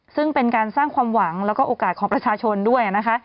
ซึ่งเป็นการสร้างความหวังแล้วก็โอกาสของประชาชนด้วยนะคะ